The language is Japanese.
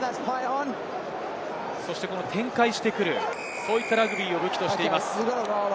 そして展開してくる、そういったラグビーを武器としています。